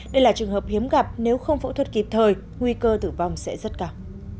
đây là trường hợp hiếm gặp nếu không phẫu thuật kịp thời nguy cơ tử vong sẽ rất cao